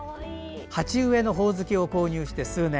鉢植えのホオズキを購入して数年。